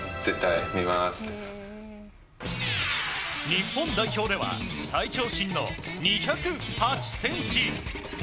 日本代表では最長身の２０８ｃｍ。